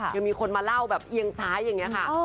ยังมีคนมาเล่าแบบเอียงซ้ายอย่างนี้ค่ะ